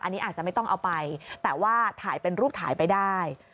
อันนี้อาจจะไม่ต้องเอาไปแต่ว่าถ่ายเป็นรูปถ่ายไปได้